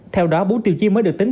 theo đó bốn tiêu chí mới được tính